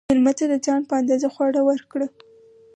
مېلمه ته د ځان په اندازه خواړه ورکړه.